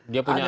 dia punya alat